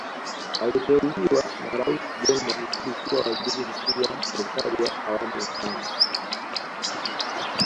Aliteuliwa na Rais John Magufuli kuwa waziri mkuu wa serikali ya awamu ya tano